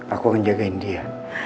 aku akan jagain dia